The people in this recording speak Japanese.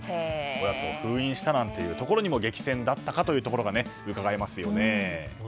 おやつを封印したというところにも激戦だったかというところが伺えますよね。